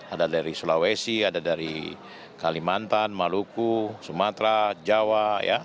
ada dari sulawesi ada dari kalimantan maluku sumatera jawa